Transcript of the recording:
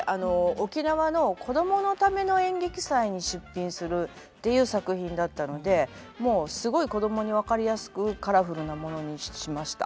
沖縄の子供のための演劇祭に出品するっていう作品だったのでもうすごい子供に分かりやすくカラフルなものにしました。